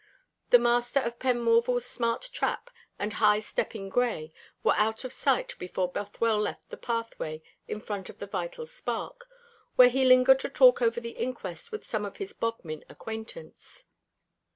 The master of Penmorval's smart trap and high stepping gray were out of sight before Bothwell left the pathway in front of the Vital Spark, where he lingered to talk over the inquest with some of his Bodmin acquaintance.